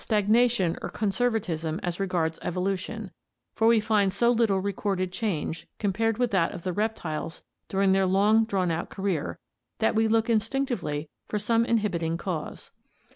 ORIGIN OF MAMMALS AND ARCHAIC MAMMALS 547 stagnation or conservatism as regards evolution, for we find so little recorded change, compared with that of the reptiles during their long drawn out career, that we look instinctively for some inhibit ing cause.